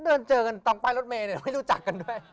เดินเจอกันตรงป้ายรถเมย์เนี่ยไม่รู้จักกันด้วย